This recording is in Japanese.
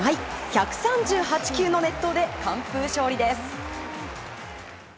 １３８球の熱投で完封勝利です。